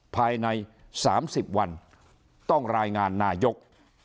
ภายในสามสิบวันต้องรายงานนายก